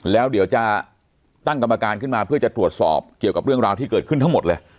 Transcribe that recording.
แล้วเดี๋ยวจะตั้งกรรมการขึ้นมาเพื่อจะตรวจสอบเกี่ยวกับเรื่องราวที่เกิดขึ้นทั้งหมดเลย